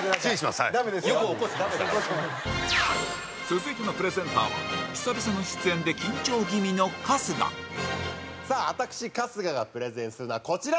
続いてのプレゼンターは久々の出演で緊張気味の春日さあ私春日がプレゼンするのはこちらでございます。